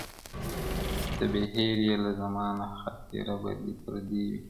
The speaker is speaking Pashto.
• ته به هېر یې له زمانه خاطره به دي پردۍ وي -